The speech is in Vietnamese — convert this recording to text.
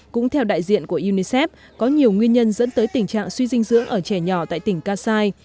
cũng theo đại diện của unicef có nhiều nguyên nhân dẫn tới tình trạng suy dinh dưỡng ở trẻ nhỏ tại tỉnh kassai